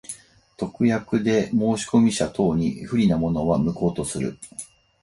特約で申込者等に不利なものは、無効とする。